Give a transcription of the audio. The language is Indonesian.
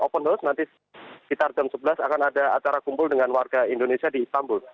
open house nanti sekitar jam sebelas akan ada acara kumpul dengan warga indonesia di istanbul